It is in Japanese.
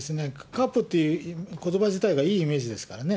カープってことば自体がいいイメージですからね。